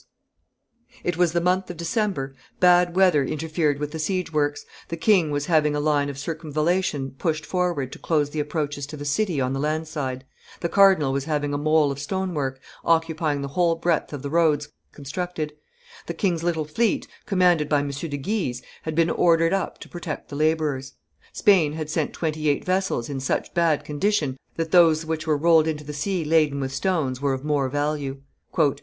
[Illustration: John Guiton's Oath 254] It was the month of December; bad weather interfered with the siege works; the king was having a line of circumvallation pushed forward to close the approaches to the city on the land side; the cardinal was having a mole of stone work, occupying the whole breadth of the roads, constructed; the king's little fleet, commanded by M. de Guise, had been ordered up to protect the laborers; Spain had sent twenty eight vessels in such bad condition that those which were rolled into the sea laden with stones were of more value.